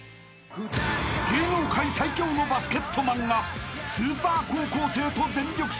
［芸能界最強のバスケットマンがスーパー高校生と全力勝負］